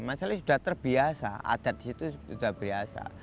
masalahnya sudah terbiasa adat disitu sudah terbiasa